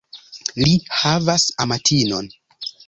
Li havas amatinon.